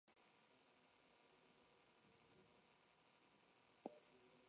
La rivalidad entre los hermanos fue alentada por sus distintas madres y algunos ministros.